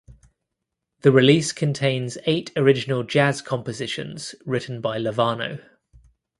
The release contains eight original jazz compositions written by Lovano.